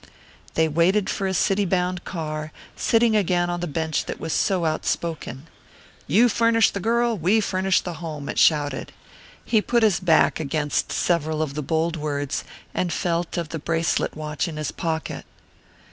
They waited for a city bound car, sitting again on the bench that was so outspoken. "You furnish the girl, we furnish the home," it shouted. He put his back against several of the bold words and felt of the bracelet watch in his pocket.